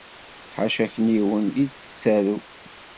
Ḥaca akniwen i d-tettarew.